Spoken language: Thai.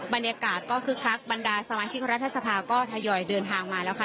บรรยากาศก็คึกคักบรรดาสมาชิกรัฐสภาก็ทยอยเดินทางมาแล้วค่ะ